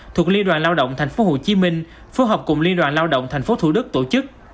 thuộc liên đoàn lao động tp hcm phối hợp cùng liên đoàn lao động tp thủ đức tổ chức